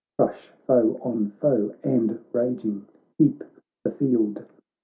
Crush foe on foe, and raging, heap the field.